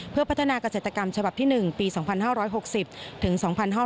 เพื่อพัฒนาเกษตรกรรมฉบับที่๑ปี๒๕๖๐ถึง๒๕๕๙